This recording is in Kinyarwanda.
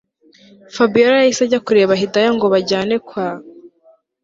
Fabiora yahise ajya kureba hidaya ngo bajyane kwa